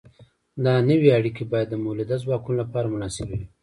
دا نوې اړیکې باید د مؤلده ځواکونو لپاره مناسبې وي.